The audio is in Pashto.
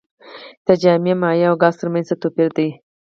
د جامد مایع او ګاز ترمنځ څه توپیر دی.